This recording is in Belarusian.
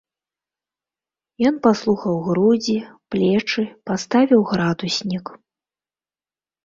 Ён паслухаў грудзі, плечы, паставіў градуснік.